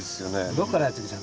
どこからやって来た？